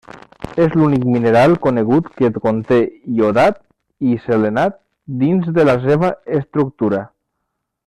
És l'únic mineral conegut que conté iodat i selenat dins de la seva estructura.